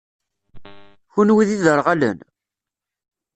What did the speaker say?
Kenwi d iderɣalen?